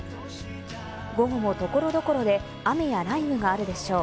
午後も所々で雨や雷雨があるでしょう。